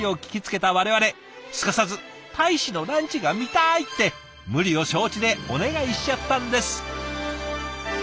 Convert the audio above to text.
すかさず「大使のランチが見たい！」って無理を承知でお願いしちゃったんです。